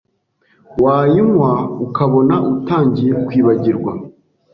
wayinkwa ukabona utangiye kwibagirwa,